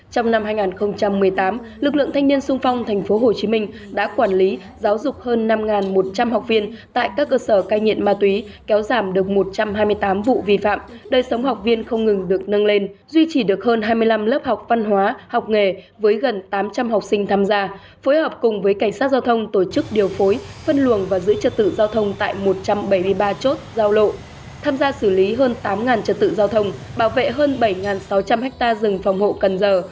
trong năm hai nghìn một mươi tám lực lượng thanh niên xuân phong tp hcm đã quản lý giáo dục hơn năm một trăm linh học viên tại các cơ sở cai nhiện ma túy kéo giảm được một trăm hai mươi tám vụ vi phạm đời sống học viên không ngừng được nâng lên duy trì được hơn hai mươi năm lớp học văn hóa học nghề với gần tám trăm linh học sinh tham gia phối hợp cùng với cảnh sát giao thông tổ chức điều phối phân luồng và giữ trật tự giao thông tại một trăm bảy mươi ba chốt giao lộ tham gia xử lý hơn tám trật tự giao thông bảo vệ hơn bảy sáu trăm linh ha rừng phòng hộ cần giờ